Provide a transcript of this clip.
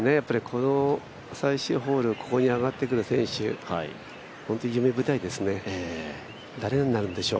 この最終ホールここに上がってくる選手、本当に夢舞台ですね。